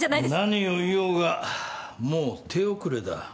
何を言おうがもう手遅れだ。